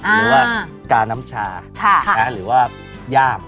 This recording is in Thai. หรือว่ากาน้ำชาหรือว่าย่าม